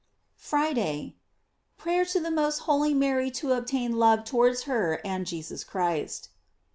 FRIDAY. Prayer to the most holy Mary to obtain love towards h^f and Jesus Christ.